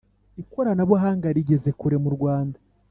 ikoranabuhanga rigeze kure mu Rwanda